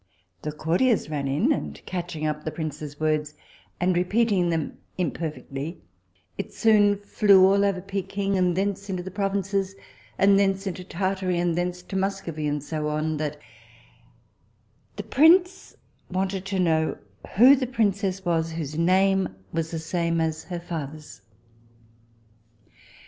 The courtiers ran in, and catching up the prince's words, and repeating them imperfectly, it soon flew all over Pekin, and thence into the provinces, and thence into Tartary, and thence to Muscovy, and so on, that the prince wanted to know who the princess was, whose name was the same as her father's.